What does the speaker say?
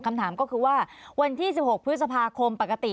คำถามก็คือว่าวันที่๑๖พฤษภาคมปกติ